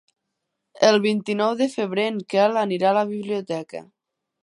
El vint-i-nou de febrer en Quel anirà a la biblioteca.